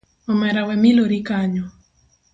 Omera we milori kanyo.